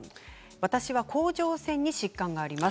私は甲状腺に疾患があります。